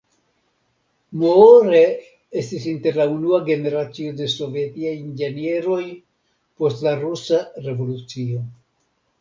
Moore estis inter la unua generacio de sovetiaj inĝenieroj post la Rusa Revolucio.